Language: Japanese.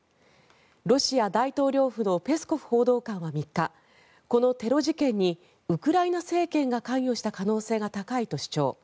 ロシア大統領府のペスコフ報道官は３日このテロ事件にウクライナ政権が関与した可能性が高いと主張。